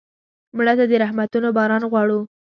مړه ته د رحمتونو باران غواړو